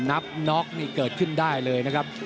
น็อกนี่เกิดขึ้นได้เลยนะครับ